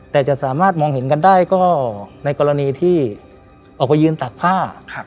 แต่จะสามารถมองเห็นกันได้ก็ในกรณีที่ออกไปยืนตากผ้า